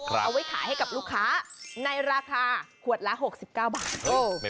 เอาไว้ขายให้กับลูกค้าในราคาขวดละ๖๙บาท